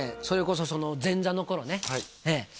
それこそ前座の頃ね